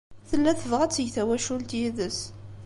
Tella tebɣa ad teg tawacult yid-s.